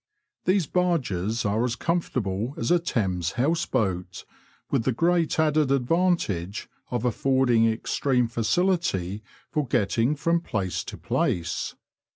These barges are as comfort able as a Thames house boat, with the great added advantage of affording extreme facility for getting from place to place.